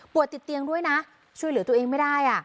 ติดเตียงด้วยนะช่วยเหลือตัวเองไม่ได้